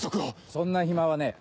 そんな暇はねえ！